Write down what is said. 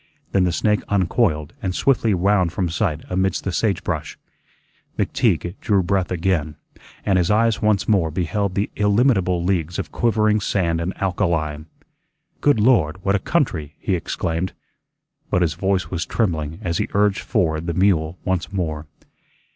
Then the snake uncoiled and swiftly wound from sight amidst the sagebrush. McTeague drew breath again, and his eyes once more beheld the illimitable leagues of quivering sand and alkali. "Good Lord! What a country!" he exclaimed. But his voice was trembling as he urged forward the mule once more.